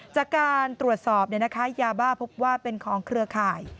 จากการตรวจสอบยาบ้าพบว่าเป็นของเครือข่าย